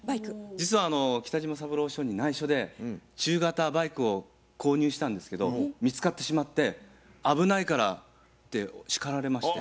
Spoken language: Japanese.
実は北島三郎師匠にないしょで中型バイクを購入したんですけど見つかってしまって危ないからって叱られまして。